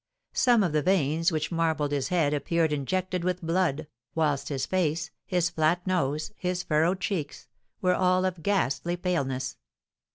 Some of the veins which marbled his head appeared injected with blood, whilst his face, his flat nose, his furrowed cheeks, were all of ghastly paleness.